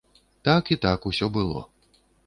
Так і так усе было.